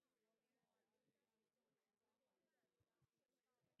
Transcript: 只能说明我们的抗战是假的。